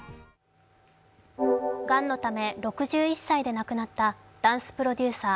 がんのため６１歳で亡くなったダンスプロデューサー